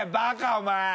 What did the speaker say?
お前。